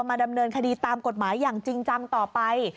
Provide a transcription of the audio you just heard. ดำเนินคดีตามกฎหมายอย่างจริงจังต่อไป